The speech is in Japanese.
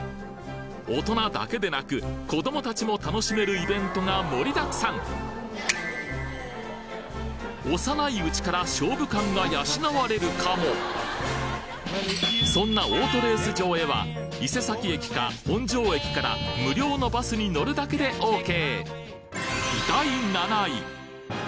大人だけでなく子どもたちも楽しめるイベントが盛りだくさん幼いうちから勝負勘が養われるかもそんなオートレース場へは伊勢崎駅か本庄駅から無料のバスに乗るだけでＯＫ